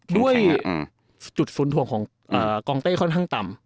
ด้วยจุดสนทวงของคอลต่ำ